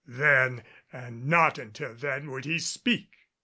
Then and not until then would he speak.